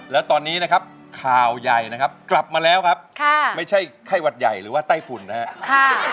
แล้วตอนนี้นะครับข่าวใหญ่นะครับกลับมาแล้วครับค่ะไม่ใช่ไข้หวัดใหญ่หรือว่าไต้ฝุ่นนะครับ